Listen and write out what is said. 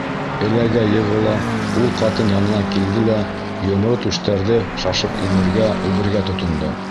Эләгә-йығыла ул ҡатын янына килде лә, йомро түштәрҙе шашып имергә, үбергә тотондо.